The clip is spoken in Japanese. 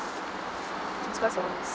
お疲れさまです。